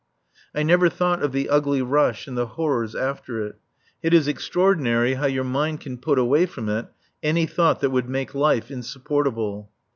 I never thought of the ugly rush and the horrors after it. It is extraordinary how your mind can put away from it any thought that would make life insupportable.